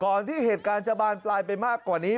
ก่อนที่เหตุการณ์ชาบานตายไปมากกว่านี้